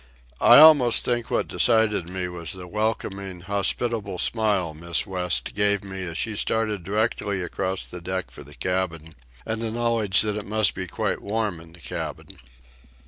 I almost think what decided me was the welcoming, hospitable smile Miss West gave me as she started directly across the deck for the cabin, and the knowledge that it must be quite warm in the cabin.